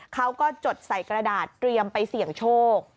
จดใส่กระดาษเตรียมไปเสี่ยงโชค